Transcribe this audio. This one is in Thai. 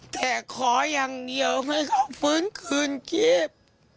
แต่ขออย่างเดียวให้เขาฟื้นคืนชีพ